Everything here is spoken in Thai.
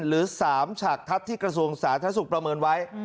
หรือ๓ฉากทัศน์ที่กระทรวงสาธารณสุขประเมินไว้